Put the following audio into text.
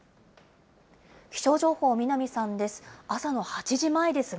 気象情報、南さんです。